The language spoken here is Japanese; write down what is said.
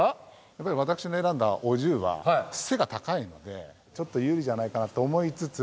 やっぱり私の選んだお重は背が高いのでちょっと有利じゃないかなって思いつつ。